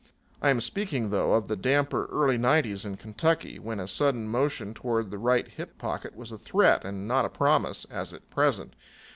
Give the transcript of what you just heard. I am speaking, though, of the damper early nineties in Kentucky, when a sudden motion toward the right hip pocket was a threat and not a promise, as at present.